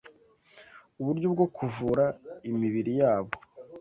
uburyo bwo kuvura imibiri yabo